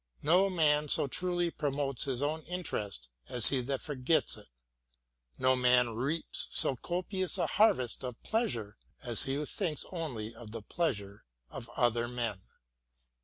No man so truly promotes his own interest as he that forgets it. No man reaps so copious a harvest of pleasure as he whq thinks only of the pleasure of other men.